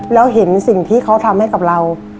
แล้วเห็นสิ่งที่เขาทำให้กับเรา